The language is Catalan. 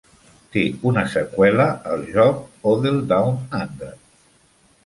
Té una seqüela, el joc "Odell Down Under".